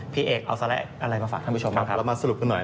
พี่เอกเอาสละอะไรมาฝากท่านผู้ชมครับ